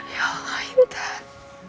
ya allah intan